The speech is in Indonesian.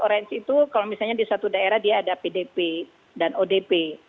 orange itu kalau misalnya di satu daerah dia ada pdp dan odp